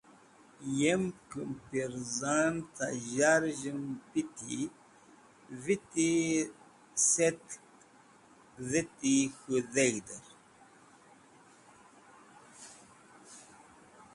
Yem kimpirzan cem zharzh en piti viti setk dheti k̃hũ dheg̃hder.